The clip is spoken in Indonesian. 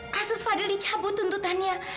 kasus fadil dicabut tuntutannya